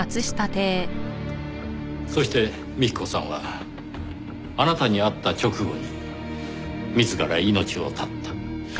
そして幹子さんはあなたに会った直後に自ら命を絶った。